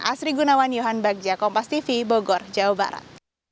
asri gunawan yohan bagja kompas tv bogor jawa barat